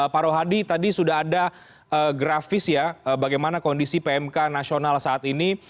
pak rohadi tadi sudah ada grafis ya bagaimana kondisi pmk nasional saat ini